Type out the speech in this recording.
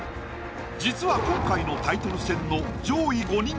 実は今回のタイトル戦の。